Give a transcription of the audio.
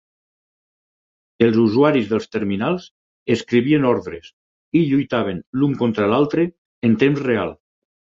Els usuaris dels terminals escrivien ordres i lluitaven l'un contra l'altre en temps real.